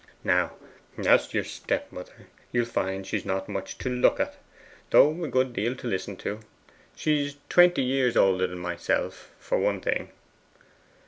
'Now, as to your stepmother, you'll find she is not much to look at, though a good deal to listen to. She is twenty years older than myself, for one thing.